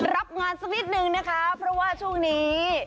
รับงานสักนิดนึงนะคะเพราะว่าช่วงนี้